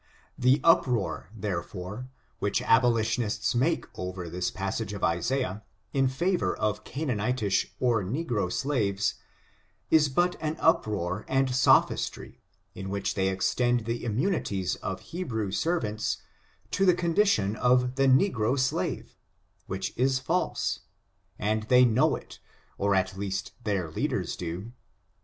The uproar, therefore, which abolitionists make over this passage of Isaiah, in favor of Canaanitish or negro slaves, is but an uproar and sophistry, in which they extend the immunities of Hebrew servants to the con dition of the negro slave, which is false, and they know it ; or, at least, their leaders do.